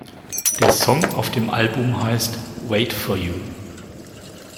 Der Song auf dem Album heißt "Wait for You".